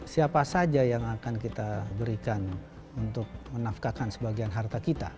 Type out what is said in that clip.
siapa saja yang akan kita berikan untuk menafkakan sebagian harta kita